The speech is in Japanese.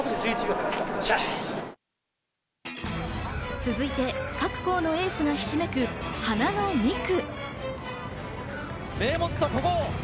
続いて各校のエースがひしめく花の２区。